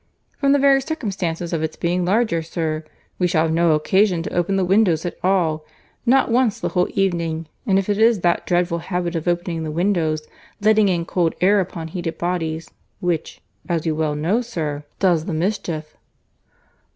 "From the very circumstance of its being larger, sir. We shall have no occasion to open the windows at all—not once the whole evening; and it is that dreadful habit of opening the windows, letting in cold air upon heated bodies, which (as you well know, sir) does the mischief."